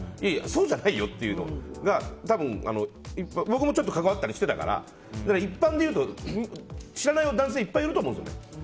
そうじゃないよというのが僕も関わったりしていたから一般で言うと知らない男性いっぱいいると思うんですよね。